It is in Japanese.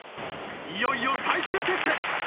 いよいよ最終決戦。